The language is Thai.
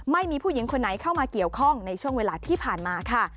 ไม่มีผู้หญิงคนไหนเข้ามาเกี่ยวข้องในช่วงเวลาที่ผ่านมาค่ะ